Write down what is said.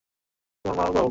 এবং এখন তোমার মা-বাবাও।